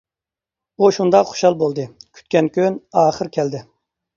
ئۇ شۇنداق خۇشال بولدى، كۈتكەن كۈن ئاخىر كەلدى.